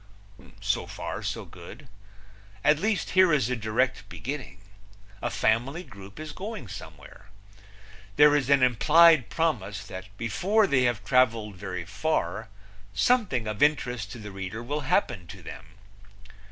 So far so good. At least, here is a direct beginning. A family group is going somewhere. There is an implied promise that before they have traveled very far something of interest to the reader will happen to them.